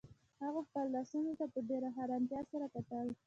هغه خپلو لاسونو ته په ډیره حیرانتیا سره کتل